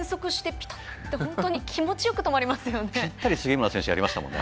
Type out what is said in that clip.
ぴったり杉村選手やりましたもんね。